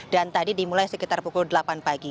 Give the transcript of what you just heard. dan tadi dimulai sekitar pukul delapan pagi